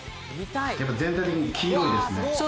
全体的に黄色いですね。